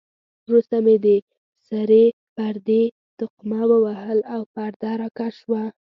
وروسته مې د سرې پردې تقمه ووهل او پرده را کش شوه.